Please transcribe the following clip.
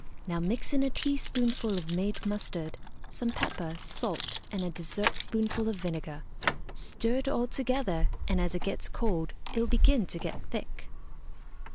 Now mix in a teaspoonful of made mustard, some pepper, salt, and a dessertspoonful of vinegar. Stir it all together, and as it gets cold it will begin to get thick.